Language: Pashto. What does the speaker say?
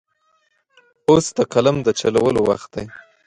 اوس د قلم د چلولو وخت دی.